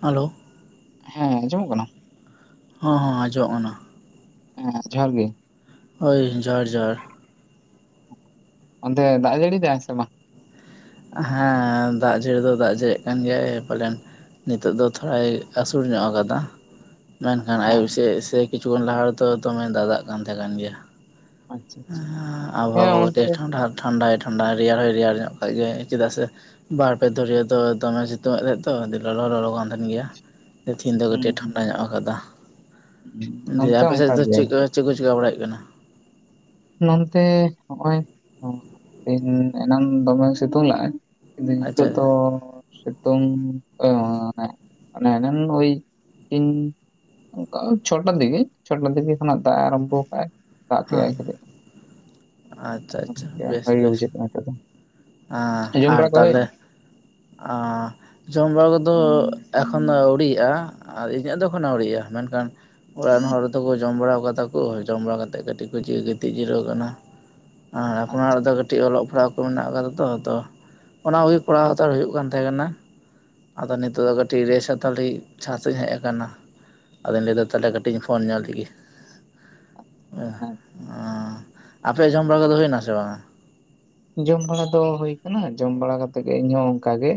Hello ᱦᱮᱸ ᱟᱸᱡᱚᱢᱚᱜ ᱠᱟᱱᱟ? ᱦᱚᱸ ᱦᱚᱸ ᱟᱸᱡᱚᱢᱚᱜ-ᱠᱟᱱᱟ ᱦᱮᱸ ᱡᱚᱦᱟᱨ ᱜᱮ ᱦᱳᱭ ᱡᱚᱦᱟᱨ ᱡᱚᱦᱟᱨ ᱚᱱᱛᱮ ᱫᱟᱜ ᱡᱟᱲᱤ ᱮᱫᱟᱭ ᱥᱮ ᱵᱟᱝ? ᱦᱮᱸ ᱫᱟᱜ ᱡᱟᱹᱲᱤ ᱫᱚ ᱫᱟᱜ ᱡᱟᱹᱲᱤᱮᱜ ᱠᱟᱱ ᱜᱮᱭᱟᱭ ᱯᱟᱞᱮᱱ ᱱᱤᱛᱚᱜ ᱫᱚ ᱛᱷᱚᱲᱟᱭ ᱟᱹᱥᱩᱲ ᱧᱚᱜ ᱟᱠᱟᱫᱟ ᱾ ᱢᱮᱱᱠᱷᱟᱱ ᱟᱭᱩᱵ ᱚ ᱥᱮᱫ ᱥᱮ ᱠᱤᱪᱷᱩ ᱠᱷᱚᱱ ᱞᱟᱦᱟ ᱨᱮᱫᱚ ᱫᱚᱢᱮ ᱫᱟᱫᱟᱜ ᱠᱟᱱ ᱛᱟᱦᱮᱸ ᱠᱟᱱ ᱜᱮᱭᱟ ᱟᱪᱪᱷᱟ ᱟᱪᱪᱷᱟ ᱾ ᱟᱵᱚᱦᱟ ᱦᱮᱸ ᱠᱚᱷ ᱠᱟᱴᱤᱡ ᱚᱱᱛᱮ ᱴᱷᱟᱱᱰᱟ ᱴᱷᱟᱱᱰᱟᱭ ᱨᱮᱭᱟᱲ ᱦᱚᱸ ᱨᱮᱭᱟᱲ ᱧᱚᱜ ᱜᱮ ᱪᱮᱫᱟᱜ ᱥᱮ ᱵᱟᱨ ᱯᱮ ᱫᱷᱩᱨᱭᱟᱹ ᱫᱚ ᱫᱚᱢᱮ ᱥᱤᱛᱩᱝ ᱮᱫ ᱛᱟᱦᱮᱸᱫ ᱛᱚ ᱫᱤᱭᱮ ᱞᱚᱞᱚ ᱦᱚ ᱞᱚᱞᱚ ᱠᱟᱱ ᱛᱟᱦᱮᱸᱱ ᱜᱮᱭᱟ ᱾ ᱛᱤᱦᱤᱱ ᱫᱚ ᱦᱩᱸ ᱠᱟᱹᱴᱤᱡ ᱮ ᱦᱩᱸ ᱴᱷᱟᱱᱰᱟ ᱧᱚᱜ ᱟᱠᱟᱫᱟ ᱦᱩᱸ, ᱫᱤᱭᱮ ᱱᱚᱱᱛᱮ ᱟᱯᱮᱥᱮᱫ ᱚᱱᱠᱟ ᱫᱚ ᱜᱮ ᱪᱮᱫᱠᱟ ᱪᱮᱫ ᱠᱚ ᱪᱮᱠᱟ ᱵᱟᱲᱟᱭᱮᱫ ᱠᱟᱱᱟ? ᱱᱚᱱᱛᱮ ᱱᱚᱜ-ᱚᱭ ᱫᱤᱱ ᱮᱱᱟᱝ ᱫᱚᱢᱮ ᱥᱤᱛᱩᱝᱞᱟᱜᱟᱭ ᱱᱤᱛᱳ ᱟᱪᱪᱷᱟ ᱫᱚ ᱥᱮᱛᱩᱝ ᱢᱟᱱᱱ ᱭ ᱛᱤᱱ ᱚᱱᱠᱟ ᱪᱷᱚᱴᱟᱨ ᱫᱤᱜᱮ ᱪᱷᱚᱴᱟ ᱫᱤᱜᱮ ᱠᱷᱚᱱᱟᱜ ᱫᱟᱜ ᱮ ᱟᱨᱟᱢᱵᱷᱚ ᱠᱫ-ᱟᱭ ᱫᱟᱜ ᱦᱮᱸ ᱠᱮᱫᱟ-ᱟᱭ ᱠᱟᱹᱴᱤᱡ ᱟᱪᱪᱷᱟ ᱟᱪᱪᱷᱟ ᱵᱮᱥ ᱵᱷᱟ ᱜᱮ ᱵᱮᱥ ᱵᱩᱡᱷᱟᱹᱜ ᱠᱟᱱᱟ ᱱᱤᱛᱚᱜ ᱫᱚ ᱡᱚᱢ ᱵᱟᱲᱟ ᱠᱚ ᱦᱩᱭᱱᱟ ᱚᱸ ᱡᱚᱢ ᱵᱟᱲᱟ ᱠᱚᱫᱚ ᱮᱠᱷᱚᱱ ᱫᱚ ᱟᱹᱣᱲᱤᱜ-ᱟ ᱟᱨ ᱤᱧᱟᱹᱜ ᱫᱚ ᱮᱠᱷᱚᱱ ᱟᱹᱣᱲᱤᱜ-ᱟ ᱢᱮᱱᱠᱷᱟᱱ ᱚᱲᱟᱜ ᱨᱮᱱ ᱦᱚᱲ ᱫᱚᱠᱚ ᱡᱚᱢ ᱵᱟᱲᱟ ᱠᱟᱫᱟ ᱠᱚ ᱡᱚᱢ ᱵᱟᱲᱟ ᱠᱟᱛᱮᱜ ᱠᱟᱹᱴᱤᱡ ᱠᱚ ᱡᱤᱨᱟᱳ ᱜᱤᱛᱤᱡ ᱡᱤᱨᱟᱹᱜᱣ ᱠᱟᱱᱟ ᱟᱨ ᱟᱯᱱᱟᱨ ᱟᱪᱪᱷᱟ ᱫᱚ ᱠᱟᱹᱴᱤᱡ ᱚᱞᱚᱜ ᱯᱟᱲᱦᱟᱣ ᱠᱚ ᱢᱮᱱᱟᱜ ᱟᱠᱟᱫᱟ ᱛᱚ ᱛᱚ ᱚᱱᱟ ᱠᱚᱜᱮ ᱠᱚᱨᱟᱣ ᱥᱛᱟᱲ ᱦᱩᱭᱩᱜ ᱠᱟᱱ ᱛᱟᱦᱮᱸ ᱠᱟᱱᱟ ᱟᱫᱚ ᱱᱤᱛᱚᱜ ᱟᱪᱪᱷᱟ, ᱫᱚ ᱠᱟᱹᱴᱤᱡ ᱨᱮᱥ ᱦᱟᱨᱟᱢ ᱞᱟ. ᱜᱮᱫ ᱪᱷᱟᱛ ᱤᱧ ᱦᱮᱡ ᱟᱠᱟᱱᱟ ᱟᱫᱚᱧ ᱛᱟᱦᱚᱞᱮ ᱠᱟᱹᱴᱤᱡ ᱤᱧ ᱯᱷᱳᱱ ᱧᱚᱜ ᱞᱮᱜᱮ ᱦᱮᱸ ᱟᱯᱮᱭᱟᱜ ᱡᱚᱢ ᱵᱟᱲᱟ ᱫᱚ ᱦᱩᱭᱱᱟ ᱥᱮ ᱵᱟᱝᱟ ᱡᱚᱢ ᱵᱟᱲᱟ ᱫᱚ ᱦᱩᱭ ᱟᱠᱟᱱᱟ ᱡᱚᱢ ᱵᱟᱲᱟ ᱠᱟᱛᱮᱜ ᱜᱮ ᱤᱧᱦᱚᱸ ᱚᱱᱠᱟᱜᱮ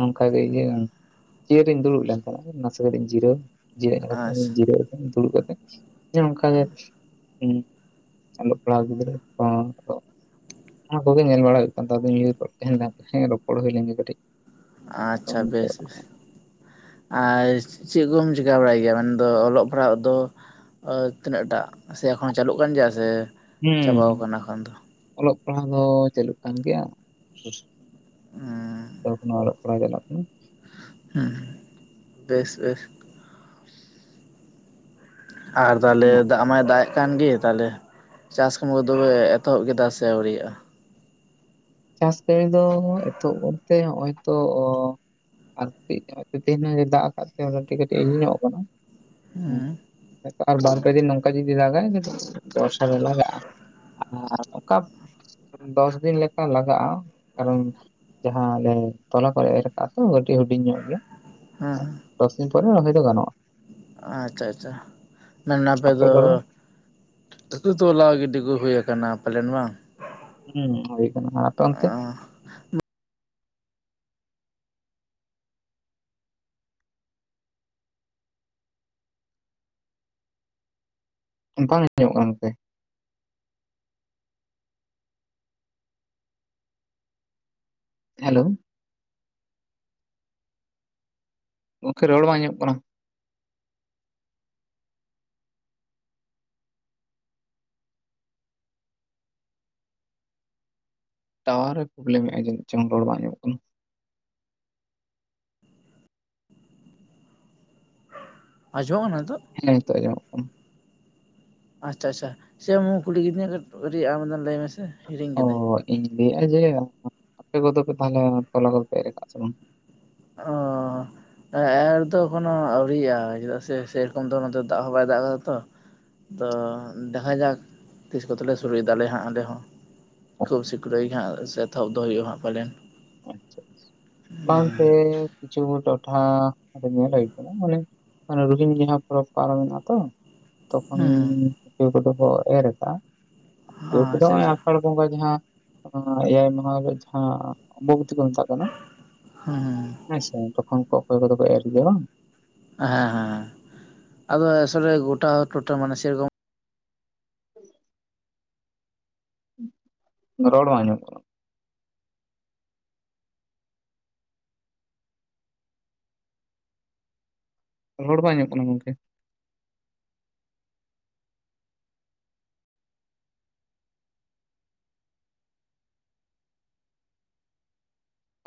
ᱚᱱᱠᱟᱟᱜᱮ ᱤᱭᱟᱹ ᱪᱤᱭᱟᱹᱨ ᱨᱤᱧ ᱫᱩᱲᱩᱵ ᱞᱮᱱ ᱛᱟᱦᱮᱱᱟ ᱱᱟᱥᱮ ᱠᱟᱛᱮᱧ ᱡᱤᱨᱟᱹ ᱡᱤᱨᱟᱹᱜ ᱠᱟᱛᱮ ᱟᱪᱪᱷᱟ ᱡᱤᱨᱟᱹᱜᱣ ᱠᱟᱛᱮ ᱫᱩᱲᱩᱵ ᱠᱟᱛᱮ ᱡᱮ ᱱᱚᱝᱠᱟᱟᱜ ᱜᱮ ᱚᱞᱚᱜ ᱯᱟᱲᱦᱟᱜ ᱜᱤᱫᱽᱨᱟᱹ ᱠᱚᱦᱚᱸ ᱚᱱᱟ ᱠᱚᱜᱮ ᱧᱮᱞ ᱵᱟᱲᱟ ᱦᱩᱭᱩᱜ ᱠᱟᱱ ᱛᱟᱦᱮᱱ ᱧᱩᱨ ᱛᱟᱦᱮᱱ ᱦᱮᱸ ᱨᱚᱯᱚᱲ ᱦᱩᱭ ᱞᱮᱱᱜᱮ ᱠᱟᱹᱴᱤᱡ ᱟᱫᱚ ᱟᱪᱪᱷᱟ ᱵᱮᱥ ᱵᱮᱥ ᱟᱨ ᱪᱮᱫ ᱠᱚᱢ ᱪᱤᱠᱟᱹ ᱵᱟᱲᱟᱭ ᱜᱮᱭᱟ ᱢᱮᱱᱫᱚ ᱚᱞᱚᱜ ᱯᱟᱲᱦᱟᱜ ᱫᱚ ᱛᱤᱱᱟᱹᱜᱴᱟᱜ ᱥᱮ ᱮᱠᱷᱚᱱ ᱦᱚᱸ ᱪᱟᱹᱞᱩᱜ ᱠᱟᱱ ᱜᱮᱭᱟ ᱥᱮ ᱦᱩᱸ ᱪᱟᱵᱟᱣ ᱠᱟᱱᱟ ᱮᱠᱷᱚᱱ ᱫᱚ ᱚᱞᱚᱜ ᱯᱟᱲᱦᱟᱣ ᱫᱚ ᱪᱞᱩᱜ ᱠᱟᱱ ᱜᱮᱭᱟ ᱛ ᱚᱲᱚᱜ ᱯᱟᱲᱦᱟᱭ ᱪᱟᱞᱟᱜ ᱠᱟᱱᱟ ᱦᱩᱸ ᱵᱮᱥ ᱵᱮᱥ ᱟᱨ ᱛᱟᱦᱚᱞᱮ ᱫᱟᱜ ᱢᱟᱭ ᱫᱟᱜ ᱮᱫ ᱠᱟᱱᱜᱮ ᱛᱟᱦᱞᱮ ᱪᱟᱥ ᱠᱟᱹᱢᱤ ᱠᱚᱫᱚᱯᱮ ᱮᱛᱚᱦᱚᱵ ᱠᱮᱫᱟ ᱥᱮ ᱟᱹᱣᱨᱟᱜ-ᱟ ᱪᱟᱥ ᱠᱟᱹᱨᱤ ᱫᱚ ᱮᱛᱚᱦᱚᱵ ᱵᱚᱞᱛᱮ ᱱᱚᱦᱚᱭ ᱛᱚ ᱟᱨ ᱛᱮᱦᱮ ᱫᱟᱜ ᱟᱠᱟᱫ ᱛᱮ ᱠᱟᱹᱴᱤᱡ ᱠᱟᱹᱴᱤᱡ ᱤᱭᱟᱧᱚᱜ ᱠᱟᱱᱟ ᱦᱩᱸ ᱟᱨ ᱵᱟᱨ ᱠᱚ ᱫᱤᱱ ᱚᱱᱠᱟ ᱡᱩᱫᱤ ᱫᱟᱜᱟᱭ ᱡᱚᱨᱥᱚᱨ ᱨᱮ ᱞᱟᱜᱟᱜ-ᱟ ᱟᱨ ᱚᱱᱠᱟ ᱫᱚᱥ ᱫᱤᱱ ᱞᱮᱠᱟ ᱞᱟᱜᱟᱜ-ᱟ ᱠᱟᱨᱚᱱ ᱡᱟᱦᱟᱸ ᱟᱞᱮ ᱛᱚᱞᱟ ᱠᱚ ᱮᱨᱚᱜᱼᱟ ᱛᱚ ᱠᱟᱹᱴᱤᱡ ᱦᱩᱰᱤᱧ ᱧᱚᱜ ᱜᱮᱭᱟ ᱦᱮᱸ ᱦᱮᱸ ᱫᱚᱥ ᱫᱤᱱ ᱯᱚᱨᱮ ᱨᱚᱦᱚᱭ ᱫᱚ ᱜᱟᱱᱚᱜ-ᱟ ᱟᱪᱪᱷᱟ ᱟᱪᱪᱷᱟ ᱢᱮᱱ ᱟᱯᱮ ᱫᱚ ᱛᱟᱹᱠᱩ ᱛᱚᱞᱟ ᱜᱤᱰᱤ ᱠᱚ ᱦᱩᱭᱩ ᱟᱠᱟᱱᱟ ᱯᱟᱞᱮᱱ ᱵᱟᱝ ᱦᱩᱸ ᱦᱩᱭ ᱟᱠᱟᱱᱟ ᱟᱯᱮ ᱚᱱᱛᱮ ᱵᱟᱝ ᱟᱡᱚᱢᱚ ᱠᱟᱱᱟ ᱱᱚᱛᱮ ᱦᱮᱞᱳ ᱜᱚᱢᱠᱮ ᱨᱚᱲ ᱵᱟᱝ ᱟᱡᱚᱢᱚ ᱠᱟᱱᱟ ᱴᱟᱣᱟᱨ ᱮ ᱯᱨᱚᱵᱽᱞᱮᱢᱮᱫᱼᱟ ᱡᱟᱱᱤᱪᱚᱝ ᱨᱚᱲ ᱵᱟᱝ ᱧᱟᱢᱚᱜ ᱠᱟᱱᱟ ᱟᱡᱚᱢᱟ ᱠᱟᱱᱟ ᱱᱤᱛᱳ ᱦᱮᱸ ᱛᱚ ᱧᱚᱢᱚᱜ ᱠᱟᱱᱟ ᱟᱪᱪᱷᱟ ᱟᱪᱪᱷᱟ ᱥᱮ ᱠᱩᱞᱤ ᱠᱤᱫᱤᱧᱟ ᱠᱟᱹᱴᱤᱡ ᱟᱢᱫᱚᱢ ᱞᱟᱹᱭ ᱢᱮᱥᱮ ᱦᱤᱲᱤᱧ ᱚ ᱠᱤᱫᱟᱹᱧ ᱤᱧ ᱞᱟᱹᱭᱼᱟ ᱡᱮ ᱟᱯᱮ ᱠᱚᱫᱚ ᱯᱮ ᱛᱟᱦᱚᱞᱮ ᱛᱚᱞᱟ ᱠᱚᱫᱚᱯᱮ ᱮᱨ ᱠᱟᱜ ᱥᱮ ᱵᱟᱝ ᱚᱸ ᱮᱨ ᱫᱚ ᱠᱚᱱᱚ ᱟᱣᱨᱤᱜᱼᱟ ᱪᱮᱫᱟᱜ ᱥᱮ ᱥᱮᱨᱚᱠᱚᱢ ᱫᱚ ᱱᱚᱛᱮ ᱫᱟᱜ ᱦᱚᱸ ᱵᱟᱭ ᱫᱟᱜ ᱟᱠᱟᱫᱟ ᱛᱚ ᱛᱚ ᱫᱮᱠᱷᱟᱣ ᱡᱟᱠ ᱛᱤᱥ ᱠᱚᱛᱮᱞᱮ ᱥᱩᱨᱩᱭ ᱫᱟᱞᱮ ᱦᱟᱸᱜ ᱚᱸᱰᱮ ᱦᱚᱸ ᱚ ᱠᱷᱩᱵ ᱥᱤᱠᱲᱟᱹᱭ ᱜᱮ ᱦᱟᱸᱜ ᱮᱛᱚᱦᱚᱵ ᱫᱚ ᱦᱩᱭᱩᱜᱼᱟ ᱦᱟᱸᱜ ᱯᱟᱞᱮᱱ ᱟᱪᱪᱷᱟ ᱦᱩᱸ ᱵᱟᱝᱛᱮ ᱠᱤᱪᱷᱩ ᱴᱚᱴᱷᱟ ᱧᱮᱞ ᱦᱩᱭ ᱠᱟᱱᱟ ᱢᱟᱱᱮ ᱢᱟᱱᱮ ᱨᱩᱦᱱᱤ ᱡᱟᱦᱟᱸ ᱯᱚᱨᱚᱵᱽ ᱯᱟᱨᱚᱢᱮᱱᱟ ᱛᱚ ᱛᱚᱠᱷᱚᱱ ᱦᱩᱸ ᱠᱮᱣ ᱠᱚᱫᱚ ᱦᱚᱸ ᱮᱨ ᱮᱫᱟ ᱠᱮᱣ ᱠᱚᱫᱚ ᱟᱪᱪᱷᱟ ᱱᱚᱜᱚᱭ ᱟᱪᱪᱷᱟ ᱟᱥᱟᱲ ᱵᱚᱸᱜᱟ ᱡᱟᱦᱟᱸ ᱮᱭᱟᱭ ᱢᱟᱦᱟ ᱨᱮ ᱡᱟᱦᱟᱸᱵᱛᱤ ᱠᱚ ᱢᱮᱛᱟᱜ ᱠᱚ ᱦᱩᱸ ᱦᱩᱸ ᱦᱮᱸᱥᱮ ᱛᱚᱠᱷᱚᱱ ᱠᱚ ᱚᱠᱚᱭ ᱠᱚᱫᱚ ᱠᱚ ᱮᱨ ᱜᱮᱭᱟ ᱵᱟᱝ ᱦᱮᱸ ᱦᱮᱸ ᱟᱫᱚ ᱟᱥᱚᱞᱮ ᱜᱚᱴᱟ ᱴᱚᱴᱷᱟ ᱢᱟᱱᱮ ᱥᱮᱨᱚᱠᱚᱢ [inaudible] ᱨᱚᱲ ᱵᱟᱝ ᱟᱡᱚᱢᱚᱜ ᱠᱟᱱᱟ ᱨᱚᱲ ᱵᱟᱝ ᱟᱡᱚᱢᱚᱜ ᱠᱟᱱᱟ ᱜᱚᱝᱠᱮ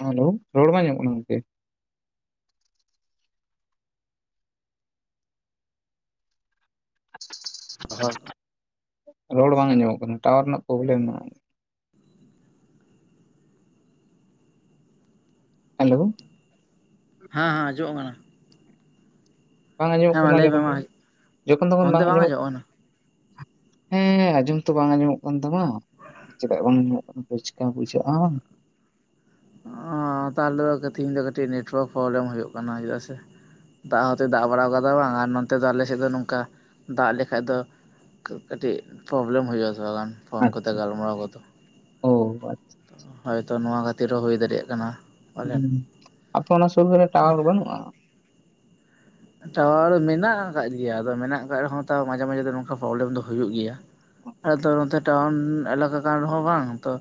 ᱦᱮᱞᱳ ᱨᱚᱲ ᱵᱟᱝ ᱟᱡᱚᱢᱚᱜ ᱠᱟᱱᱟ ᱜᱚᱢᱠᱮ [inaudible] ᱨᱚᱲ ᱵᱟᱝ ᱟᱸᱡᱚᱢᱚᱜ ᱠᱟᱱᱟ ᱴᱟᱣᱟᱨ ᱨᱮᱱᱟᱜ ᱯᱨᱚᱵᱽᱞᱮᱢ ᱢᱮᱱᱟᱜᱼᱟ ᱦᱮᱞᱳᱣ ᱦᱟᱸ ᱦᱟᱸ ᱟᱡᱚᱢᱚᱜ ᱠᱟᱱᱟ ᱵᱟᱝ ᱟᱸᱡᱚᱢᱚᱜ ᱦᱮᱸ ᱢᱟ ᱠᱟᱱᱟ ᱞᱟᱹᱭ ᱢᱮ ᱢᱟ ᱜᱚᱝᱠᱮ ᱡᱚᱠᱷᱚᱱ ᱛᱚᱠᱷᱚᱱ ᱵᱟᱝ ᱟᱸᱡᱚᱢᱚᱜ ᱦᱮᱸ ᱟᱸᱡᱚᱢ ᱛᱚ ᱵᱟᱝ ᱟᱸᱡᱚᱢᱚᱜ ᱠᱟᱱ ᱛᱟᱢᱟ ᱪᱮᱫᱟᱜ ᱵᱟᱝ ᱟᱸᱡᱚᱢᱚᱜ ᱠᱟᱱᱟ ᱪᱮᱠᱟᱢ ᱵᱩᱡᱷᱟᱹᱜᱼᱟ ᱛᱟᱦᱞᱮ ᱫᱚ ᱛᱮᱦᱤᱧ ᱫᱚ ᱠᱟᱹᱴᱤᱡ ᱱᱮᱴᱣᱟᱨᱠ ᱯᱨᱚᱵᱞᱮᱢ ᱦᱩᱭᱩᱜ ᱠᱟᱱᱟ ᱪᱮᱫᱟᱜ ᱥᱮ ᱫᱟᱜ ᱦᱚᱸᱚᱛ ᱫᱟᱜ ᱵᱟᱲᱟᱣ ᱠᱟᱫᱟ ᱵᱟᱝ ᱟᱨ ᱱᱚᱱᱚᱛᱮ ᱫᱚ ᱟᱞᱮ ᱥᱮᱫ ᱫᱚ ᱱᱚᱝᱠᱟ ᱫᱟᱜ ᱞᱮᱠᱷᱟᱡ ᱫᱚ ᱠᱟᱹᱴᱤᱡ ᱯᱨᱚᱵᱞᱮᱢ ᱦᱩᱭᱩᱜᱼᱟ ᱛᱷᱚᱲᱟ ᱜᱟᱱ ᱯᱷᱳᱱ ᱠᱚᱛᱮ ᱟᱪᱪᱷᱟ ᱜᱟᱞᱢᱟᱨᱟᱣ ᱠᱚᱫᱚ ᱚ ᱟᱪᱪᱷᱟ ᱦᱚᱭᱛᱚ ᱱᱚᱣᱟ ᱠᱷᱟᱹᱛᱤᱨ ᱦᱚᱸ ᱦᱩᱭ ᱫᱟᱲᱮᱭᱟᱜ ᱠᱟᱱᱟ ᱦᱮᱸ ᱯᱟᱞᱮᱱ ᱟᱯᱮ ᱚᱱᱟ ᱥᱩᱨ ᱠᱚᱨᱮ ᱴᱟᱣᱟᱨ ᱵᱟᱹᱱᱩᱜᱼᱟ ᱴᱟᱣᱟᱨ ᱢᱮᱱᱟᱜ ᱟᱠᱟᱫ ᱜᱮᱭᱟ ᱟᱫᱚ ᱢᱮᱱᱟᱜ ᱟᱠᱟᱫ ᱨᱮᱦᱚᱸ ᱛᱟᱣ ᱢᱟᱡᱷᱮ ᱢᱟᱡᱷᱮ ᱫᱚ ᱱᱚᱝᱠᱟ ᱯᱨᱚᱵᱞᱮᱢ ᱫᱚ ᱦᱩᱭᱩᱜ ᱜᱮᱭᱟ ᱟᱞᱮᱫᱚ ᱱᱚᱛᱮ ᱴᱟᱣᱩᱱ ᱮᱞᱟᱠᱟ ᱠᱟᱱ ᱨᱮᱦᱚᱸ ᱵᱟᱝ ᱛᱚ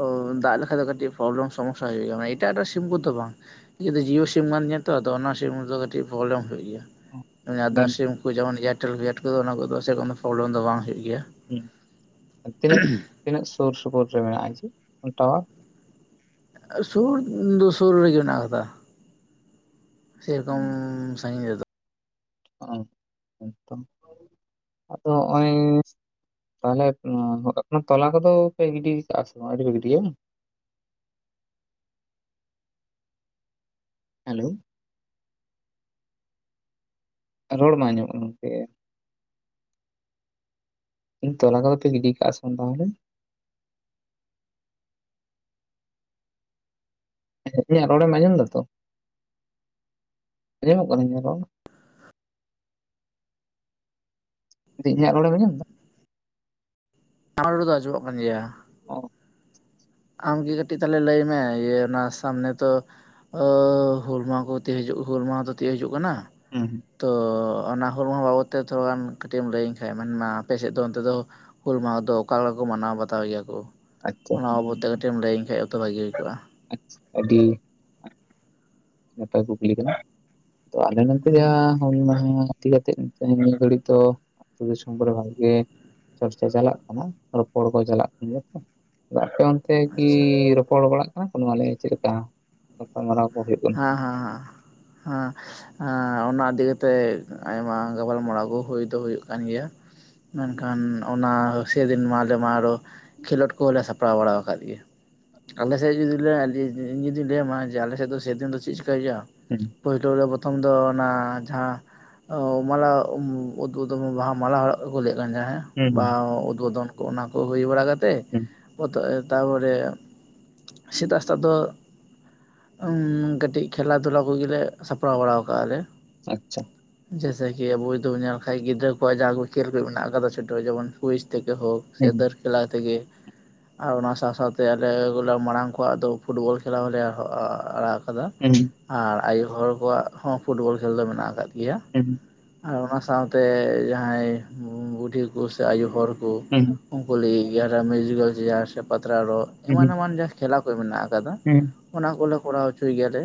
ᱚ ᱫᱟᱜ ᱞᱮᱠᱷᱟᱡ ᱫᱚ ᱠᱟᱹᱴᱤᱡ ᱯᱨᱚᱵᱞᱮᱢ ᱥᱚᱢᱚᱥᱥᱟ ᱦᱩᱭᱩᱜᱼᱟ ᱮᱴᱟᱜ ᱮᱴᱟᱜ ᱥᱤᱢ ᱠᱚ ᱫᱚ ᱵᱟᱝ ᱤᱧᱟᱜ ᱫᱚ ᱡᱤᱭᱳ ᱥᱤᱢ ᱠᱟᱱ ᱛᱤᱧᱟᱹ ᱛᱚ ᱚᱱᱟ ᱥᱤᱢ ᱨᱮᱫᱚ ᱠᱟᱹᱴᱤᱡ ᱯᱨᱚᱵᱽᱞᱮᱢ ᱦᱩᱭᱩᱜ ᱜᱮᱭᱟ ᱟᱫᱟᱨ ᱢᱟᱱᱮ ᱥᱤᱢ ᱡᱮᱢᱚᱱ ᱮᱭᱟᱨᱴᱮᱞ ᱜᱮᱴ ᱠᱚᱫᱚ ᱚᱱᱟ ᱠᱚᱫᱚ ᱥᱮᱨᱚᱠᱚᱢ ᱯᱨᱚᱵᱞᱮᱢ ᱫᱚ ᱵᱟᱝ ᱦᱩᱭᱩᱜ ᱜᱮᱭᱟ ᱦᱩᱸ, ᱛᱤᱱᱟᱹᱜ ᱛᱤᱱᱟᱹᱜ ᱥᱩᱨ ᱥᱩᱯᱩᱨ ᱨᱮ ᱢᱮᱱᱟᱜᱼᱟ ᱡᱮ ᱴᱟᱣᱟᱨ ᱥᱩᱨ ᱫᱚ ᱥᱩᱨ ᱨᱮᱜᱮ ᱢᱮᱱᱟᱜ ᱟᱠᱟᱫᱟ ᱥᱮᱨᱚᱠᱚᱢ ᱥᱟᱺᱜᱤᱧ ᱨᱮᱫᱚ ᱚ ᱛᱚ ᱟᱫᱚ ᱱᱚᱜᱼᱚᱭ ᱛᱟᱦᱚᱞᱮ ᱟ ᱛᱚᱞᱟ ᱠᱚᱫᱚ ᱯᱮ ᱜᱤᱰᱤ ᱠᱟᱜ-ᱟ ᱥᱮ ᱵᱟᱝ ᱟᱹᱣᱨᱤ ᱯᱮ ᱜᱤᱰᱤᱭᱟ ᱵᱟᱝ ᱦᱮᱞᱳ ᱨᱚᱲ ᱵᱟᱝ ᱟᱡᱚᱢᱚᱜ ᱠᱟᱱᱟ ᱜᱚᱝᱠᱮ ᱤᱧ ᱛᱚᱞᱟ ᱠᱚᱫᱚ ᱯᱮ ᱜᱤᱰᱤ ᱠᱟᱜᱼᱟ ᱥᱮ ᱵᱟᱝ ᱛᱟᱦᱚᱞᱮ ᱤᱧᱟᱹᱜ ᱨᱚᱲᱢᱮ ᱟᱸᱡᱚᱢ ᱫᱟᱛᱚ ᱟᱸᱡᱚᱢᱚᱜ ᱠᱟᱱᱟ ᱤᱧᱟᱹᱜ ᱨᱚᱲ ᱢᱮᱱ ᱫᱟᱹᱧ ᱤᱧᱟᱹᱜ ᱨᱚᱲᱮᱢ ᱟᱡᱚᱢ ᱮᱫᱟ ᱟᱢᱟᱜ ᱨᱚᱲ ᱫᱚ ᱟᱡᱚᱢᱚᱜ ᱠᱟᱱ ᱜᱮᱭᱟ [inaudible] ᱟᱢᱜᱮ ᱠᱟᱹᱴᱤᱡ ᱛᱟᱦᱚᱞᱮ ᱞᱟᱹᱭᱢᱮ ᱤᱭᱟᱹ ᱚᱱᱟ ᱥᱟᱢᱱᱮ ᱛᱚ ᱦᱩᱞ ᱢᱟᱦᱟ ᱠᱚ ᱛᱤᱭᱟ. ᱜ ᱦᱤᱡᱩᱜ ᱦᱩᱞ ᱢᱟᱦᱟ ᱫᱚ ᱛᱤᱭᱩᱜ ᱦᱤᱡᱩᱜ ᱠᱟᱱᱟ ᱦᱩᱸ ᱦᱩᱸ ᱛᱚ ᱚᱱᱟ ᱦᱩᱞ ᱢᱟᱦᱟ ᱵᱟᱵᱚᱫ ᱛᱮ ᱛᱷᱚᱲᱟ ᱜᱟᱱ ᱠᱟᱹᱴᱤᱡ ᱮᱢ ᱞᱟᱹᱭᱟᱹᱧ ᱠᱷᱟᱡ ᱢᱮᱱ ᱢᱟ ᱟᱯᱮᱥᱮᱫ ᱫᱚ ᱚᱱᱛᱮ ᱫᱚ ᱦᱩᱞ ᱢᱟᱦᱟ ᱫᱚ ᱚᱠᱟ ᱞᱮᱠᱟ ᱠᱚ ᱢᱟᱱᱟᱣ ᱵᱟᱛᱟᱣ ᱜᱮᱭᱟ ᱠᱚ᱾ ᱟᱪᱪᱷᱟ ᱡᱮᱢ ᱞᱟᱹᱭᱟᱹᱧ ᱠᱷᱟᱡ ᱛᱚ ᱵᱷᱟᱹᱜᱤ ᱦᱩᱭ ᱠᱚᱜᱼᱟ᱾ ᱟᱪ ᱟᱹᱰᱤ᱾ ᱱᱟᱯᱟᱭ ᱠᱩᱠᱞᱤ ᱠᱟᱱᱟ, ᱛᱚ ᱟᱞᱮ ᱱᱚᱱᱛᱮ ᱡᱟ ᱦᱮᱸ ᱦᱩᱞ ᱢᱟᱦᱟ ᱤᱫᱤ ᱠᱟᱛᱮ ᱱᱤᱭᱟᱹ ᱜᱷᱟᱹᱲᱤᱡ ᱫᱚ ᱟᱹᱛᱩ ᱫᱤᱥᱚᱢ ᱠᱚᱨᱮ ᱵᱷᱟᱜᱮ ᱜᱮ ᱪᱚᱨᱪᱟ ᱪᱟᱞᱟᱜ ᱠᱟᱱᱟ ᱨᱚᱯᱚᱲ ᱠᱚ ᱪᱟᱞᱟᱜ ᱠᱟᱱ ᱜᱮᱭᱟ ᱛᱚ᱾ ᱟᱫᱚ ᱟᱯᱮ ᱚᱱᱛᱮ ᱠᱤ ᱟᱪᱪᱷᱟ ᱨᱚᱯᱚᱲ ᱵᱟᱲᱟᱜ ᱠᱟᱱᱟ ᱱᱚᱣᱟ ᱞᱟ. ᱜᱤᱫ ᱪᱮᱫ ᱞᱮᱠᱟ ᱜᱟᱯᱟᱞᱢᱟᱨᱟᱣ ᱠᱚ ᱦᱩᱭᱩᱜ ᱠᱟᱱᱟ᱾ ᱦᱟᱸ ᱦᱟᱸ ᱦᱟᱸ ᱦᱟᱸ ᱚᱱᱟ ᱤᱫᱤ ᱠᱟᱛᱮ ᱛᱮ ᱟᱭᱢᱟ ᱜᱟᱯᱟᱞᱢᱟᱨᱟᱣ ᱠᱩ ᱦᱩᱭ ᱫᱚ ᱦᱩᱭᱩᱜ ᱠᱟᱱ ᱜᱮᱭᱟ ᱢᱮᱱᱠᱷᱟᱱ ᱚᱱᱟ ᱥᱮ ᱫᱤᱱ ᱢᱟ ᱟᱞᱮ ᱢᱟ ᱟᱨᱚ ᱠᱷᱮᱞᱳᱰ ᱠᱚᱦᱚᱸ ᱞᱮ ᱥᱟᱯᱲᱟᱣ ᱵᱟᱲᱟ ᱟᱠᱟᱫ ᱜᱮᱭᱟ᱾ ᱟᱞᱮ ᱥᱮᱫ ᱡᱩᱫᱤ ᱞᱮ ᱡᱩ-ᱡᱩ-ᱡᱩᱫᱤ ᱞᱟᱹᱭᱟᱢᱟ, ᱡᱮ ᱟᱞᱮ ᱥᱮᱫ ᱫᱚ ᱥᱮᱫᱤᱱ ᱫᱚ ᱪᱤᱜ ᱪᱤᱠᱟᱭ ᱦᱳᱭᱩᱜᱼᱟ? ᱦᱩᱸ᱾ ᱯᱳᱭᱞᱳ ᱨᱮ ᱯᱚᱛᱷᱚᱢ ᱫᱚ ᱚᱱᱟ ᱡᱟᱦᱟᱸ ᱟᱹᱻᱣ ᱢᱟᱞᱟ [unintelligible] ᱵᱟᱦᱟ ᱢᱟᱞᱟ ᱦᱚᱲᱟᱜ ᱠᱚ ᱞᱟᱹᱭᱮᱜ ᱠᱟᱱ ᱛᱟᱦᱮᱸ ᱦᱮᱸ᱾ ᱦᱩᱸ ᱦᱩᱸ ᱵᱟ ᱩᱫᱵᱚᱫᱚᱱ ᱠᱚ ᱚᱱᱟᱠᱩ ᱦᱩᱭ ᱵᱟᱲᱟ ᱠᱟᱛᱮ᱾ ᱦᱩᱸ᱾ ᱚᱛᱚ ᱮ ᱛᱟᱯᱚᱨᱮ ᱥᱮᱛᱟᱜ ᱥᱮᱛᱟᱜ ᱫᱚ ᱩᱸᱢ ᱠᱟᱹᱴᱤᱡ ᱠᱷᱮᱞᱟ ᱫᱷᱩᱞᱟ ᱠᱩᱜᱤ ᱞᱮ ᱥᱟᱯᱲᱟᱣ ᱵᱟᱲᱟ ᱟᱠᱟᱜᱼᱟ ᱞᱮ᱾ ᱟᱪᱪᱷᱟ᱾ ᱡᱮᱭᱮᱥᱮ ᱠᱤ ᱟᱵᱚ ᱡᱩᱫᱤ ᱵᱚᱱ ᱧᱮᱞ ᱠᱷᱟᱡ ᱜᱤᱫᱽᱨᱟᱹ ᱠᱚᱣᱟᱜ ᱡᱟᱦᱟᱸ ᱠᱚ ᱠᱷᱮᱞ ᱠᱚ ᱢᱮᱱᱟᱜ ᱟᱠᱟᱫᱟ ᱥᱟᱹᱴᱣᱟ ᱡᱮᱢᱚᱱ ᱠᱩᱭᱤᱡ ᱛᱮᱠᱮ ᱦᱳᱠ᱾ ᱥᱮ ᱦᱩᱸ ᱫᱟᱹᱨ ᱠᱷᱮᱞᱟ ᱛᱮᱜᱮ᱾ ᱟᱨ ᱚᱱᱟ ᱥᱟᱶᱼᱥᱟᱶ ᱛᱮ ᱟᱞᱮ ᱜᱚᱞᱟ ᱢᱟᱲᱟᱝ ᱠᱚᱣᱟᱜ ᱫᱚ ᱯᱷᱩᱴᱵᱚᱞ ᱠᱷᱮᱞᱟ ᱦᱚᱸᱞᱮ ᱦᱚ ᱟᱻᱟᱲᱟᱜ ᱠᱟᱫᱟ᱾ ᱩᱸ᱾ ᱟᱨ ᱟᱭᱳ ᱦᱚᱲ ᱠᱚᱣᱟᱜ ᱦᱚᱸ ᱯᱷᱩᱴᱵᱚᱞ ᱠᱷᱮᱞ ᱫᱚ ᱢᱮᱱᱟᱜ ᱟᱠᱟᱫ ᱜᱮᱭᱟ᱾ ᱦᱩᱸ᱾ ᱟᱨ ᱚᱱᱟ ᱥᱟᱶᱛᱮ ᱡᱟᱸᱦᱟᱭ ᱵᱟ-ᱵᱩᱰᱷᱤ ᱠᱩ ᱥᱮ ᱟᱭᱩ ᱦᱚᱲ ᱠᱩ ᱦᱩᱸ ᱦᱩᱸ ᱩᱱᱠᱩ ᱞᱟᱹᱜᱤᱜ ᱜᱮ ᱟᱨᱚ ᱢᱤᱭᱩᱡᱤᱠᱮᱞ ᱪᱮᱭᱟᱨ ᱥᱮ ᱯᱟᱛᱲᱟ ᱨᱚᱜ ᱦᱩᱸ ᱮᱢᱟᱱ ᱮᱢᱟᱱ ᱡᱟᱦᱟᱸ ᱠᱷᱮᱞᱟ ᱠᱚ ᱢᱮᱱᱟᱜ ᱟᱠᱟᱫᱟ᱾ ᱦᱩᱸ᱾ ᱚᱱᱟ ᱠᱚᱞᱮ ᱠᱚᱨᱟᱣ ᱦᱚᱪᱚᱭ ᱜᱮᱭᱟ ᱞᱮ᱾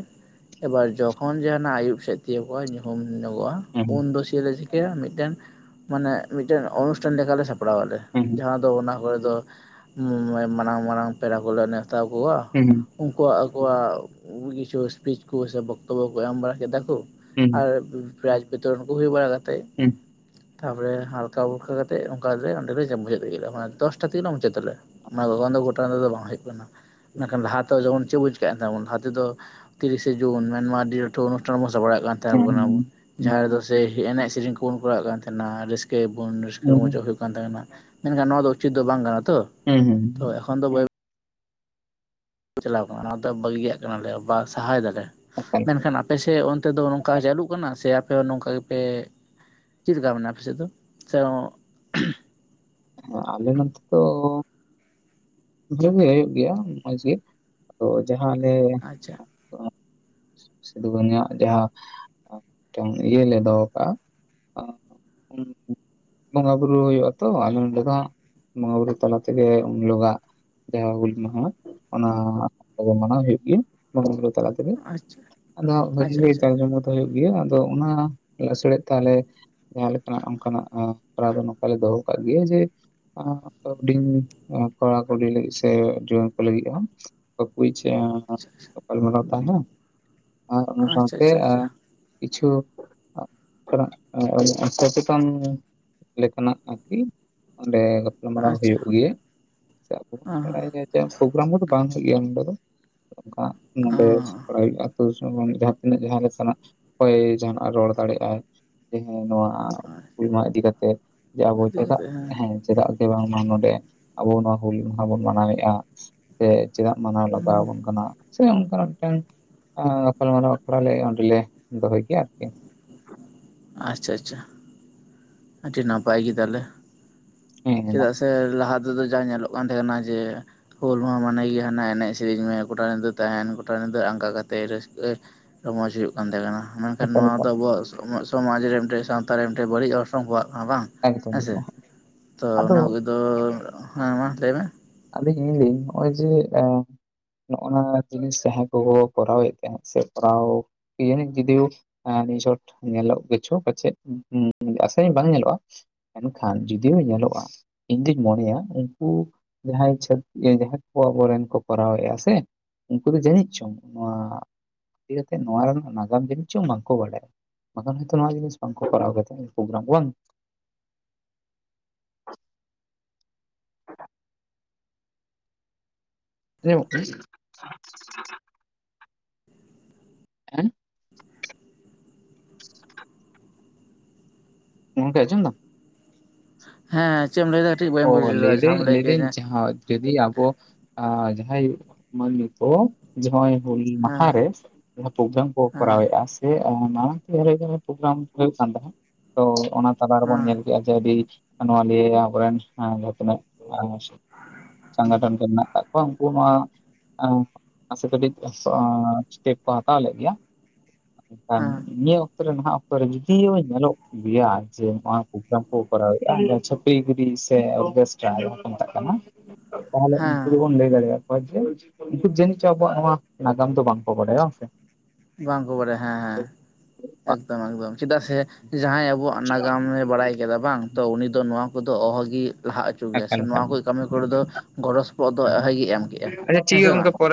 ᱮᱵᱟᱨ ᱡᱚᱠᱷᱚᱱ ᱡᱮ ᱦᱟᱱᱟ ᱟᱭᱩᱵ ᱥᱮᱫ ᱛᱤᱭᱳᱜᱼᱟ ᱧᱩᱦᱩᱢ ᱧᱚᱜᱚᱜᱼᱟ ᱦᱩᱸ ᱦᱩᱸ ᱩᱱ ᱫᱚ [unintelligible] ᱠᱮ ᱢᱤᱫᱴᱮᱱ ᱢᱟᱱᱮ ᱢᱤᱫᱴᱮᱱ ᱚᱱᱩᱥᱴᱷᱟᱱ ᱞᱮᱠᱟᱞᱮ ᱥᱟᱯᱲᱟᱣ ᱟᱞᱮ ᱦᱩᱸ ᱦᱩᱸ ᱡᱟᱦᱟᱸ ᱛᱚ ᱚᱱᱟ ᱠᱚᱨᱮ ᱫᱚ ᱢᱟᱱᱟᱝ ᱢᱟᱨᱟᱝ ᱯᱮᱲᱟ ᱠᱚᱞᱮ ᱱᱮᱣᱛᱟ ᱠᱚᱣᱟ᱾ ᱦᱩᱸ᱾ ᱩᱱᱠᱩ ᱟᱠᱚᱣᱟᱜ ᱠᱤᱪᱷᱩ ᱥᱯᱤᱡ ᱠᱚ ᱥᱮ ᱵᱚᱠᱛᱚᱵᱚ ᱠᱚ ᱮᱢ ᱵᱟᱲᱟ ᱠᱮᱫᱟ ᱠᱩ᱾ ᱟᱨ ᱯᱮ-ᱯᱨᱟᱤᱡᱽ ᱵᱤᱛᱚᱨᱚᱱ ᱠᱩ ᱦᱩᱭ ᱵᱟᱲᱟ ᱠᱟᱛᱮ ᱩᱸ᱾ ᱛᱟᱯᱚᱨᱮ ᱦᱟᱞᱠᱟ ᱯᱷᱩᱞᱠᱟ ᱠᱟᱛᱮ ᱚᱱᱠᱟ ᱜᱮ ᱚᱸᱰᱮ ᱞᱮ ᱪᱟ ᱢᱩᱪᱟᱹᱫ ᱠᱮᱜ ᱜᱮᱞᱮ ᱢᱟᱱᱮ ᱫᱚᱥᱴᱟ ᱛᱮᱜᱮᱞᱮ ᱢᱩᱪᱟᱹᱫ ᱟᱞᱮ᱾ ᱚᱱᱟ ᱠᱚᱠᱷᱚᱱ ᱫᱚ ᱜᱚᱴᱟ ᱛᱮᱫᱚ ᱵᱟᱝ ᱦᱩᱭᱩᱜ ᱠᱟᱱᱟ, ᱢᱮᱱᱠᱷᱟᱱ ᱞᱟᱦᱟ ᱛᱮ ᱡᱮᱢᱚᱱ ᱪᱮᱫ ᱵᱩᱱ ᱪᱮᱠᱟ ᱠᱟᱱ ᱛᱟᱦᱮᱱᱟ ᱵᱚᱱ ᱞᱟᱦᱟ ᱛᱮᱫᱚ ᱛᱤᱨᱤᱥᱮ ᱡᱩᱱ ᱢᱮᱱᱢᱟ ᱟᱹᱰᱤ ᱞᱟᱹᱴᱩ ᱚᱱᱩᱥᱴᱷᱟᱱ ᱵᱚᱱ ᱥᱟᱯᱲᱟᱜ ᱠᱟᱱ ᱛᱟᱦᱮ ᱵᱚᱱ ᱟᱵᱚ᱾ ᱡᱟᱦᱟᱸ ᱨᱮᱫᱚ ᱥᱮ ᱮᱱᱮᱡ ᱥᱮᱨᱮᱧ ᱠᱚᱵᱚᱱ ᱠᱚᱨᱟᱜ ᱠᱟᱱ ᱛᱟᱦᱮᱱᱟ ᱨᱟᱹᱥᱠᱟᱹᱭᱟ ᱵᱚᱱ ᱨᱟᱹᱥᱠᱟᱹ ᱨᱚᱢᱚᱡᱚᱜ ᱦᱳᱭ ᱠᱟᱱᱟ ᱛᱟᱦᱮᱱᱟ ᱢᱮᱱᱠᱷᱟᱱ ᱱᱚᱣᱟ ᱫᱚ ᱩᱪᱤᱛ ᱫᱚ ᱵᱟᱝ ᱠᱟᱱᱟ ᱛᱚ᱾ ᱦᱩᱸ ᱩᱸ᱾ ᱛᱚ ᱮᱠᱷᱚᱱ ᱫᱚ ᱵᱟᱹᱭ ᱪᱟᱞᱟᱣ ᱠᱟᱱᱟ ᱚᱱᱟ ᱫᱚ ᱵᱟᱹᱜᱤᱭᱟᱜ ᱠᱟᱱᱟ ᱞᱮ ᱵᱟ ᱥᱟᱦᱟᱭ ᱫᱟᱞᱮ ᱮᱠᱟᱞ ᱢᱮᱱᱠᱷᱟᱱ ᱟ ᱯᱮᱥᱮ ᱚᱱᱛᱮ ᱫᱚ ᱱᱚᱝᱠᱟ ᱪᱟᱹᱞᱩᱜ ᱠᱟᱱᱟ ᱥᱮ ᱟᱯᱮ ᱱᱚᱝᱠᱟ ᱜᱮᱯᱮ ᱪᱤᱫ ᱞᱮᱠᱟ ᱢᱮᱱᱟᱜᱼᱟ ᱟᱯᱮ ᱥᱮᱫ ᱫᱚ? ᱪᱚᱸᱜ ᱦᱮ ᱟᱞᱮ ᱱᱚᱛᱮ ᱫᱚ [unintelligible] ᱦᱩᱭᱩᱜ ᱜᱮᱭᱟ ᱢᱚᱸᱡᱽ ᱜᱮ᱾ ᱟᱫᱚ ᱡᱟᱦᱟᱸ ᱟᱞᱮ ᱟᱪᱪᱷᱟ ᱥᱤᱫᱩᱼᱠᱟᱱᱩᱣᱟᱜ ᱡᱟᱦᱟᱸ ᱴᱟᱝ ᱤᱭᱟᱹ ᱞᱮ ᱫᱚᱦᱚ ᱠᱟᱜᱼᱟ᱾ ᱵᱚᱸᱜᱟ ᱵᱩᱨᱩ ᱦᱩᱭᱩᱜᱼᱟ ᱛᱚ ᱟᱫᱚ ᱱᱚᱰᱮ ᱫᱚ ᱦᱟᱸᱜ ᱵᱚᱸᱜᱟ ᱵᱩᱨᱩ ᱛᱟᱞᱟ ᱛᱮᱜᱮ ᱩᱱ ᱦᱤᱞᱳᱜᱟ ᱡᱟᱦᱟᱸ ᱦᱩᱞ ᱢᱟᱦᱟ ᱚᱱᱟ ᱢᱟᱱᱟᱣ ᱦᱩᱭᱩᱜ ᱜᱮᱭᱟ [unintelligible] ᱛᱟᱞᱟ ᱟᱫᱚ ᱟᱪᱪᱷᱟ ᱚᱱᱟ ᱵᱷᱟᱹᱜᱤ ᱟᱪᱪᱷᱟ ᱜᱮ ᱟᱪᱪᱷᱟ ᱡᱟᱠ ᱡᱚᱢᱚᱠ ᱫᱚ ᱦᱩᱭᱩᱜ ᱜᱮᱭᱟ, ᱟᱫᱚ ᱚᱱᱟ ᱞᱮᱥᱟᱲᱦᱮᱫ ᱛᱟᱦᱚᱞᱮ ᱡᱟᱦᱟᱸ ᱞᱮᱠᱟ ᱱᱟᱜ ᱚᱱᱠᱟᱱᱟᱜ ᱮᱸ ᱠᱚᱨᱟᱣ ᱫᱚ ᱱᱚᱝᱠᱟ ᱞᱮ ᱫᱚᱦᱚ ᱟᱠᱟᱫ ᱜᱮᱭᱟ ᱡᱮ ᱮᱸ ᱦᱩᱰᱤᱧ ᱠᱚᱲᱟᱼᱠᱩᱞᱤ ᱞᱟᱹᱜᱤᱫ ᱥᱮ ᱡᱩᱣᱟᱱ ᱠᱚ ᱞᱟᱹᱜᱤᱫ ᱦᱚᱸ᱾ [unintelligible] ᱜᱟᱯᱟᱞᱢᱟᱨᱟᱣ ᱛᱟᱦᱮᱱᱟ ᱟᱨ ᱚᱱᱟ ᱟᱪᱪᱷᱟ ᱥᱟᱶᱛᱮ ᱟᱪᱪᱷᱟ ᱟᱪᱪᱷᱟ ᱟᱸ ᱠᱤᱪᱷᱩ [unintelligible] ᱞᱮᱠᱟᱱᱟᱜ ᱟᱨᱠᱤ ᱚᱸᱰᱮ ᱜᱟᱯᱟᱞᱢᱟᱨᱟᱣ ᱟᱪᱪᱷᱟ ᱦᱩᱭᱩᱜ ᱜᱮᱭᱟ ᱦᱚᱸ [unintelligible] ᱛᱚ ᱯᱨᱳᱜᱨᱟᱢ ᱠᱚᱫᱚ ᱵᱟᱝ ᱦᱩᱭᱩᱜ ᱜᱮᱭᱟ ᱱᱚᱰᱮ ᱫᱚ, ᱚᱱᱠᱟ ᱱᱚᱰᱮ ᱠᱚᱨᱟᱣ ᱦᱚᱸ ᱦᱩᱭᱩᱜᱼᱟ ᱛᱚ [unintelligible] ᱡᱟᱦᱟᱸ ᱛᱤᱱᱟᱹᱜ ᱡᱟᱦᱟᱸ ᱞᱮ ᱥᱮᱱᱚᱜ ᱚᱠᱚᱭ ᱡᱟᱦᱟᱱᱟᱜ ᱮ ᱨᱚᱲ ᱫᱟᱲᱮᱜ ᱟᱭ᱾ ᱡᱮᱸ ᱱᱚᱣᱟ ᱦᱚᱸ ᱦᱩᱞᱢᱟᱦᱟ ᱤᱫᱤ ᱠᱟᱛᱮᱫ ᱡᱮ ᱟᱵᱚ ᱤᱫᱤ ᱪᱮᱫᱟᱜ ᱠᱟᱛᱮ ᱦᱮᱸ ᱮ ᱪᱮᱫᱟᱜ ᱥᱮ ᱵᱟᱝᱢᱟ ᱱᱚᱰᱮ ᱟᱵᱚ ᱱᱚᱣᱟ ᱦᱩᱞ ᱢᱟᱦᱟ ᱵᱚᱱ ᱢᱟᱱᱟᱣᱮᱫᱼᱟ ᱥᱮ ᱪᱮᱫᱟᱜ ᱢᱟᱱᱟᱣ ᱦᱩᱸ ᱞᱟᱜᱟᱣ ᱟᱵᱚᱱ ᱠᱟᱱᱟ ᱥᱮ ᱚᱱᱠᱟᱱᱟᱜ ᱢᱤᱫᱴᱟᱝ ᱜᱟᱯᱟᱞᱢᱟᱨᱟᱣ ᱟᱠᱷᱲᱟ ᱞᱮ ᱚᱸᱰᱮᱞᱮ ᱫᱚᱦᱚᱭ ᱜᱮᱭᱟ ᱟᱨᱠᱤ ᱟᱪᱪᱷᱟ ᱟᱪᱪᱷᱟ ᱟᱹᱰᱤ ᱱᱟᱯᱟᱭ ᱜᱮ ᱛᱟᱦᱞᱮ ᱦᱮᱸ ᱪᱮᱫᱟᱜ ᱥᱮ ᱞᱟᱦᱟ ᱛᱮᱫᱚ ᱡᱟ ᱧᱮᱞᱚᱜ ᱠᱟᱱ ᱛᱟᱦᱮᱸ ᱠᱟᱱᱟ ᱡᱮ ᱦᱩᱞ ᱢᱟ ᱢᱟᱱᱮ ᱜᱮ ᱦᱟᱱᱟ ᱮᱱᱮᱡ ᱥᱮᱨᱮᱧ ᱢᱮ ᱜᱚᱴᱟ ᱧᱤᱫᱟᱹ ᱛᱟᱦᱮᱱ ᱜᱚᱴᱟ ᱧᱤᱫᱟᱹ ᱟᱸᱠᱟ ᱠᱟᱛᱮ ᱨᱟᱹᱥᱠᱟᱹ ᱨᱚᱢᱚᱡᱽ ᱦᱩᱭᱩᱜ ᱠᱟᱱ ᱛᱟᱦᱮᱸ ᱠᱟᱱᱟ ᱢᱮᱱᱠᱷᱟᱱ ᱮᱠᱟᱞ ᱱᱚᱣᱟ ᱫᱚ ᱮᱠᱟᱞ ᱟᱵᱚᱣᱟᱜ ᱥᱚᱢᱟᱡᱽ ᱨᱮ ᱢᱤᱫᱴᱮᱱ ᱥᱟᱶᱛᱟ ᱨᱮ ᱢᱤᱫᱴᱮᱱ ᱵᱟᱹᱲᱤᱡ ᱚᱨᱥᱚᱝ ᱞᱟᱨᱟᱜ ᱠᱟᱱᱟ ᱵᱟᱝ ᱦᱮᱸᱥᱮ [unintelligible] ᱛᱚ ᱟᱫᱚ ᱚᱱᱟ ᱠᱚᱫᱚ ᱦᱮᱸ ᱢᱟ ᱞᱟᱹᱭ ᱢᱮ ᱟᱫᱚ ᱱᱮᱧ ᱤᱧ ᱱᱚᱼᱚᱭ ᱡᱮ ᱟ ᱱᱚᱜ ᱚᱱᱟ ᱡᱤᱱᱤᱥ ᱡᱟᱦᱟᱸᱭ ᱠᱚᱠᱚ ᱠᱚᱨᱟᱣᱮᱫ ᱛᱟᱦᱮᱸᱫ ᱥᱮ ᱠᱚᱨᱟᱣ ᱠᱤ ᱡᱟᱱᱤᱡ ᱡᱩᱫᱤ ᱳ [unintelligible] ᱧᱮᱞᱚᱜ ᱠᱤᱪᱷᱩ ᱯᱟᱪᱮᱫ ᱟᱥᱟᱧ ᱵᱟᱝ ᱧᱮᱞᱚᱜᱼᱟ ᱢᱮᱱᱠᱷᱟᱱ ᱡᱩᱫᱤᱭᱳ ᱧᱮᱞᱚᱜᱼᱟ ᱤᱧ ᱫᱩᱧ ᱢᱚᱱᱮᱭᱟ ᱩᱱᱠᱩ ᱡᱟᱦᱟᱸᱭ ᱪᱷᱮ ᱡᱟᱦᱟᱸᱭ ᱠᱚ ᱟᱵᱚᱨᱮᱱ ᱠᱚ ᱠᱚᱨᱟᱣᱮᱫᱼᱟ ᱥᱮ ᱩᱱᱠᱩ ᱫᱚ ᱡᱟᱹᱱᱤᱡ ᱪᱚᱝ ᱱᱚᱣᱟ ᱤᱫᱤ ᱠᱟᱛᱮ ᱱᱚᱣᱟ ᱨᱮᱱᱟᱜ ᱱᱟᱜᱟᱢ ᱡᱟᱹᱱᱤᱡ ᱪᱚᱝ ᱵᱟᱝᱠᱚ ᱵᱟᱲᱟᱭᱟ ᱵᱟᱝᱟᱱ ᱦᱚᱭᱛᱳ ᱱᱚᱣᱟ ᱡᱤᱱᱤᱥ ᱵᱟᱝ ᱠᱚᱨᱟᱣ ᱠᱟᱛᱮ ᱯᱨᱳᱜᱨᱟᱢ ᱠᱚ ᱵᱟᱝ [inaudible] [unintelligible] ᱮᱸ ᱜᱚᱝᱠᱮ ᱟᱡᱚᱢᱫᱟᱢ ᱦᱮᱸ ᱪᱮᱫ ᱮᱢ ᱞᱟᱹᱭ ᱫᱟ ᱠᱟᱹᱴᱤᱡ ᱵᱟᱹᱧ ᱚ ᱵᱩᱡ ᱞᱮᱫᱟ ᱡᱟᱦᱟᱸᱢ ᱞᱟᱹᱭᱫᱟᱧ ᱞᱟᱹᱭ ᱠᱮᱫ ᱞᱟᱹᱭᱫᱟᱧ ᱡᱮ ᱡᱟᱦᱟ ᱡᱩᱫᱤ ᱟᱵᱚ ᱡᱟᱦᱟᱸᱭ ᱢᱟᱹᱱᱢᱤ ᱠᱚ ᱡᱟᱦᱟᱸᱭ ᱦᱚᱞᱤ ᱦᱮᱸ ᱢᱟᱦᱟᱨᱮ ᱡᱟᱦᱟᱸ ᱯᱨᱳᱜᱨᱟᱢ ᱠᱚ ᱠᱚᱨᱟᱣ ᱦᱮᱸ ᱮᱫᱼᱟ ᱡᱮ ᱚᱱᱟ ᱴᱟᱭᱤᱢ ᱨᱮᱜᱮ ᱯᱨᱳᱜᱨᱟᱢ ᱦᱩᱭᱩᱜ ᱠᱟᱱ ᱛᱟᱦᱮᱸᱱᱟ ᱛᱚ ᱚᱱᱟ ᱛᱟᱞᱟᱨᱮᱵᱚᱱ ᱦᱮᱸ ᱧᱮᱞ ᱠᱮᱫᱼᱟ ᱥᱮ ᱟᱹᱰᱤ ᱱᱚᱣᱟ ᱞᱤᱭᱟᱹ ᱟᱵᱚᱨᱮᱱ ᱡᱟᱦᱟ ᱛᱤᱱᱟᱹᱜ ᱥᱚᱝᱜᱚᱴᱷᱚᱱ ᱠᱚ ᱢᱮᱱᱟᱜ ᱟᱠᱟᱫ ᱠᱚᱣᱟ ᱩᱱᱠᱩ ᱱᱚᱣᱟ ᱢᱟᱥᱮ ᱠᱟᱹᱴᱤᱡ ᱥᱴᱮᱯ ᱠᱚ ᱦᱟᱛᱟᱣ ᱞᱮᱫ ᱜᱮᱭᱟ ᱮᱠᱷᱟᱱ ᱦᱮᱸ ᱱᱤᱭᱟᱹ ᱚᱠᱛᱚ ᱨᱮ ᱱᱟᱦᱟᱜ ᱚᱠᱛᱚ ᱨᱮ ᱡᱩᱫᱤᱳ ᱧᱮᱞᱚᱜ ᱜᱮᱭᱟ ᱡᱮ ᱱᱚᱣᱟ ᱯᱨᱳᱜᱨᱟᱢ ᱠᱚ ᱠᱚᱨᱟᱣ ᱮᱫᱼᱟ ᱪᱷᱟᱯᱠᱨᱤ ᱜᱤᱨᱤ ᱥᱮ ᱚᱨᱜᱮᱥᱴᱟ ᱠᱚ ᱢᱮᱛᱟᱜ ᱠᱟᱱᱟ ᱛᱟᱦᱚᱞᱮ ᱩᱱᱠᱩ ᱦᱮᱸ ᱫᱚᱵᱚᱱ ᱞᱟᱹᱭ ᱫᱟᱲᱮᱭᱟ ᱠᱚ ᱦᱚᱭ ᱡᱮ ᱩᱱᱠᱩ ᱡᱟᱹᱱᱤᱡ ᱪᱚᱝ ᱟᱵᱚᱣᱟᱜ ᱱᱚᱣᱟ ᱱᱟᱜᱟᱢ ᱫᱚ ᱵᱟᱝ ᱠᱚ ᱵᱟᱲᱟᱭᱟ ᱵᱟᱝᱸ ᱥᱮ ᱵᱟᱝ ᱠᱚ ᱵᱟᱲᱟᱭᱟ ᱦᱮᱸᱼᱼ ᱮᱠᱫᱚᱢ ᱮᱠᱫᱚᱢ ᱪᱮᱫᱟᱜ ᱥᱮ ᱡᱟᱦᱟᱸᱭ ᱟᱵᱚᱣᱟᱜ ᱱᱟᱜᱟᱢ ᱮ ᱵᱟᱲᱟᱭ ᱠᱮᱫᱟ ᱵᱟᱝ ᱛᱚ ᱩᱱᱤ ᱫᱚ ᱱᱚᱣᱟ ᱠᱚᱫᱚ ᱚᱦᱚᱜᱤ ᱞᱟᱦᱟ ᱦᱚᱪᱚ ᱜᱮᱭᱟ ᱥᱮ ᱮᱠᱟᱞ ᱱᱚᱣᱟ ᱮᱠᱟᱞ ᱠᱚ ᱠᱟᱹᱢᱤ ᱠᱚᱨᱮᱫᱚ ᱜᱚᱲᱚ ᱯᱚᱫ ᱫᱚ ᱦᱮᱸ ᱚᱦᱚᱜᱤᱭ ᱮᱢ ᱠᱮᱫᱮᱜᱼᱟ ᱟᱪᱪᱷᱟ ᱴᱷᱤᱠ ᱦᱮᱸ ᱥᱮ ᱜᱮᱭᱟ ᱵᱟᱝ ᱜᱚᱝᱠᱮ ᱯᱚᱨᱮ